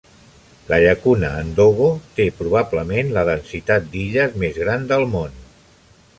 La llacuna Ndogo té probablement la densitat d'illes més gran del món.